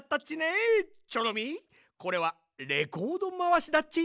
チョロミーこれはレコードまわしだっち。